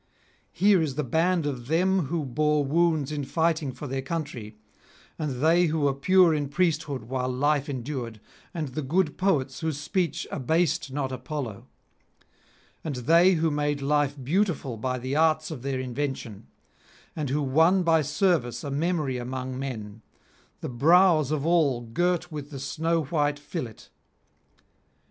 Here is the band of them who bore wounds in fighting for their country, and they who were pure in priesthood while life endured, and the good poets whose speech abased not Apollo; and they who made life beautiful by the arts of their invention, and who won by service a memory among men, the brows of all girt with the snow white fillet.